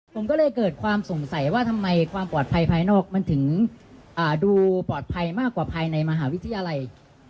ผมก็เลยเกิดความสงสัยว่าทำไมความปลอดภัยภายนอกมันถึงดูปลอดภัยมากกว่าภายในมหาวิทยาลัย